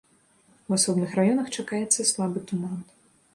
У асобных раёнах чакаецца слабы туман.